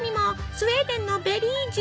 スウェーデンのベリー術。